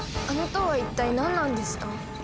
あの塔は一体何なんですか？